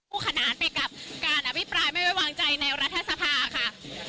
ขนานไปกับการอภิปรายไม่ไว้วางใจในรัฐสภาค่ะ